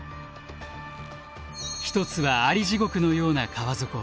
一つは蟻地獄のような川底。